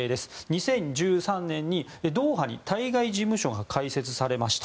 ２０１３年にドーハに対外事務所が開設されました。